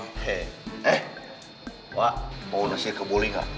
he eh wah mau nasi kebole kah